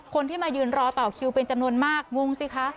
คนที่มายืนรอต่อคิวเป็นจำนวนมากงงสิคะ